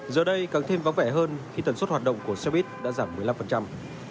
giờ đây càng thêm vắng vẻ hơn khi tần suất hoạt động của xe buýt đã giảm một mươi năm